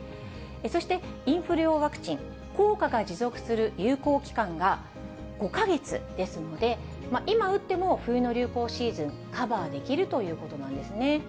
そして、インフル用ワクチン、効果が持続する有効期間が５か月ですので、今打っても、冬の流行シーズン、カバーできるということなんですね。